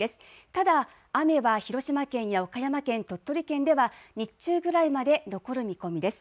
ただ雨は広島県や岡山県、鳥取県では日中ぐらいまで残る見込みです。